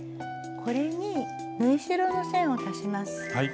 これに縫い代の線を足します。